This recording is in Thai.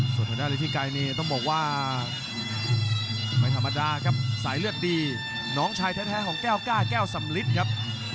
ส่วนทางด้านฤทธิไกรนี้ต้องบอกว่าไม่ธรรมดาครับสายเลือดดีน้องชายแท้ของแก้วก้าแก้วสำลิดครับ